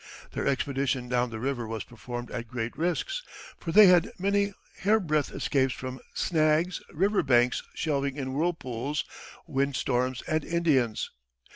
Their expedition down the river was performed at great risks, for they had many hairbreadth escapes from snags, river banks shelving in, whirlpools, wind storms, and Indians.